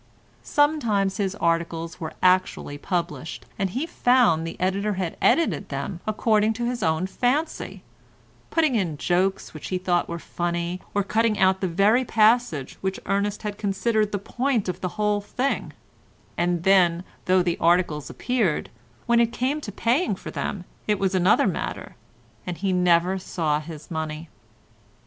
Sometimes his articles were actually published, and he found the editor had edited them according to his own fancy, putting in jokes which he thought were funny, or cutting out the very passage which Ernest had considered the point of the whole thing, and then, though the articles appeared, when it came to paying for them it was another matter, and he never saw his money.